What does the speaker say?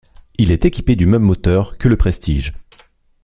Il est équipé du même moteur que le Prestige.